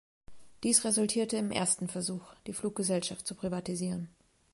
Dies resultierte im ersten Versuch die Fluggesellschaft zu privatisieren.